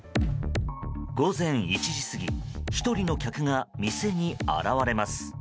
午前１時過ぎ１人の客が店に現れます。